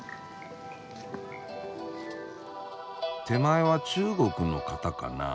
手前は中国の方かな。